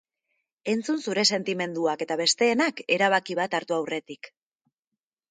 Entzun zure sentimenduak eta besteenak, erabaki bat hartu aurretik.